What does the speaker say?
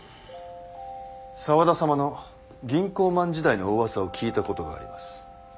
沢田様の銀行マン時代のおうわさを聞いたことがあります。